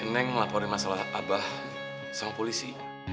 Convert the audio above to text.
barusan aja si neng melaporin masalah abah sama polisi